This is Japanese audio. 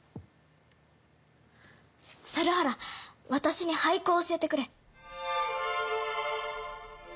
猿原私に俳句を教えてくれ。